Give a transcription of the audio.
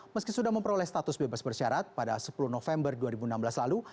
meski sudah memperoleh status bebas bersyarat pada sepuluh november dua ribu enam belas lalu